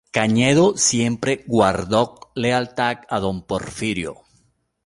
Cañedo siempre guardó lealtad a don Porfirio.